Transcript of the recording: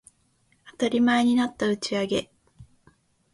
当たり前になった打ち上げ